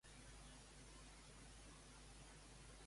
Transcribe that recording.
Per això, què feien els egipcis en elles en morir?